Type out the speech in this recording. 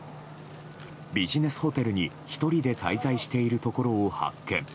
ビジネスホテルに１人で滞在しているところを発見。